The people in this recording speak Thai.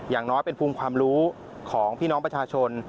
อย่างน้อยเป็นภูมิความรู้ของพี่น้องประชาชน